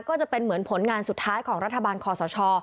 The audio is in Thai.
ก็จะเป็นเหมือนผลงานสุดท้ายของรัฐบาลคอสช